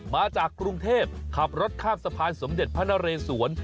มาจากกรุงเทพขับรถข้ามสะพานสมเด็จพระนเรศวร